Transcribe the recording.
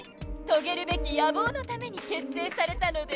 とげるべき野望のために結成されたのです。